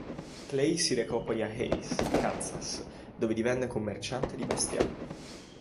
Clay si recò poi a Hays, Kansas, dove divenne commerciante di bestiame.